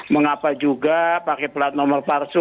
mengapa juga pakai plat nomor palsu